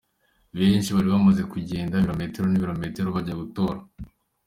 Benshi bari bamaze kugenda ibirometero n'ibirometero bajya gutora.